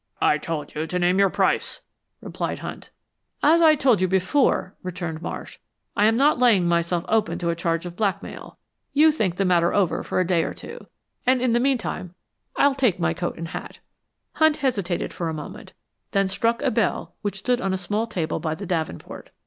"I told you to name your price," replied Hunt. "As I told you before," returned Marsh, "I'm not laying myself open to a charge of blackmail. You think the matter over for a day or two; and in the meantime I'll take my coat and hat." Hunt hesitated for a moment, then struck a bell which stood on a small table by the davenport.